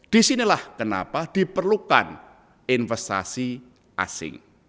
disinilah kenapa diperlukan investasi asing